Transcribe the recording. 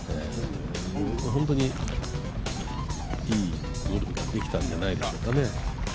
本当にいいゴルフができたんじゃないでしょうかね。